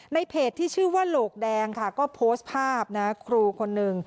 ในเพจที่ชื่อว่าโหลกแดงก็โพสต์ภาพครูคนนึง